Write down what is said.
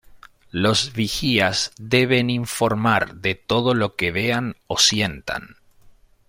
Los vigías deben informar de todo lo que vean o sientan.